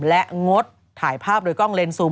และงดถ่ายภาพโดยกล้องเลนซูม